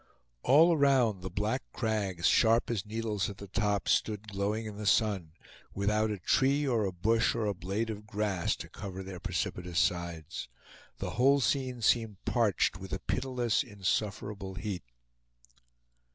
All around the black crags, sharp as needles at the top, stood glowing in the sun, without a tree, or a bush, or a blade of grass, to cover their precipitous sides. The whole scene seemed parched with a pitiless, insufferable heat.